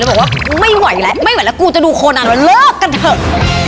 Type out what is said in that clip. บอกว่าไม่ไหวแล้วไม่ไหวแล้วกูจะดูโคนันว่าเลิกกันเถอะ